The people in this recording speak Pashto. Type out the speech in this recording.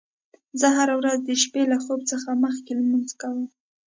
زه هره ورځ د شپې له خوب څخه مخکې لمونځ کوم